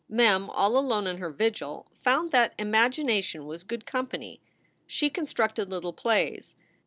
Mem, all alone in her vigil, found that imagination was good company. She con structed little plays.